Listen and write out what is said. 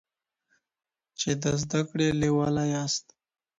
چي د زده کړې لیواله یاست.